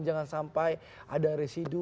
jangan sampai ada residu